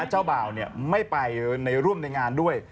เจ้าบ่าวไม่ไปร่วมในงานด้วย